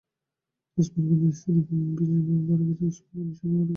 ওসমান গনির স্ত্রী যেভাবে মারা গেছেন-ওসমান গনিও সেইভাবে মারা যাবেন।